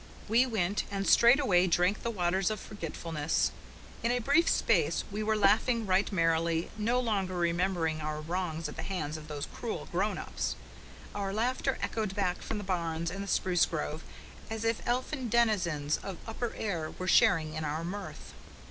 We went and straightway drank of the waters of forgetfulness. In a brief space we were laughing right merrily, no longer remembering our wrongs at the hands of those cruel grown ups. Our laughter echoed back from the barns and the spruce grove, as if elfin denizens of upper air were sharing in our mirth.